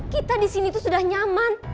kita disini tuh sudah nyaman